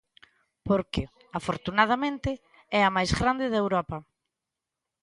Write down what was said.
Porque, afortunadamente, é a máis grande de Europa.